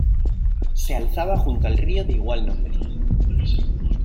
Se alzaba junto al río de igual nombre.